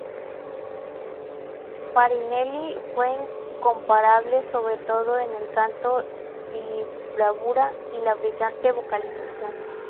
Farinelli fue incomparable sobre todo en el canto di bravura y la brillante vocalización.